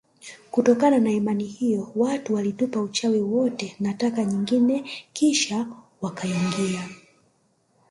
Kutokana na imani hiyo watu walitupa uchawi wote na taka nyingine kisha wakaingia